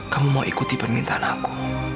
kamu mau ikuti permintaan aku